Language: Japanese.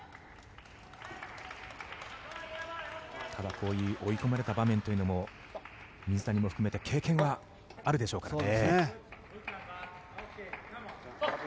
ただ、こういう追い込まれた場面というのも水谷も含めて経験があるでしょうからね。